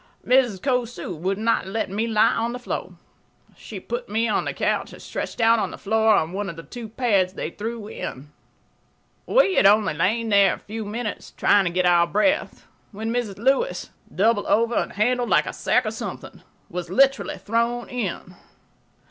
Mrs. Cosu would not let me lie on the floor. She put me on the couch and stretched out on the floor on one of the two pads they threw in. We had only lain there a few minutes, trying to get our breath, when Mrs. Lewis, doubled over and handled like a sack of something, was literally thrown in.